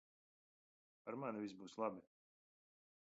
Ar mani viss būs labi.